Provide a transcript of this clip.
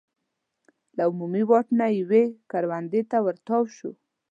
له عمومي واټ نه یوې کروندې ته ور تاو شو.